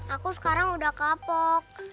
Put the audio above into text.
aku sekarang udah kapok